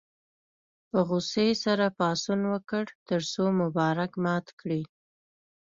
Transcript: په غوسې سره پاڅون وکړ تر څو مبارک مات کړي.